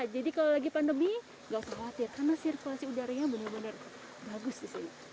jadi kalau lagi pandemi gak usah khawatir karena sirkulasi udaranya benar benar bagus disini